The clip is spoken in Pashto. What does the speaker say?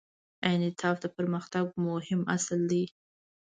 انعطاف د پرمختګ مهم اصل دی.